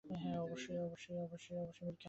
হ্যাঁ, অবশ্যই।